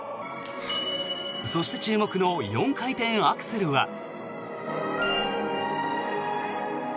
そして注目の４回転アクセルは。